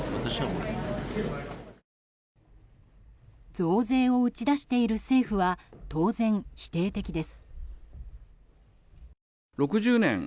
増税を打ち出している政府は当然、否定的です。